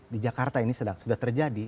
di jakarta ini sudah terjadi